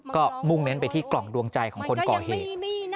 ก็มุ่งเน้นไปที่กล่องดวงใจของคนก่อเหตุ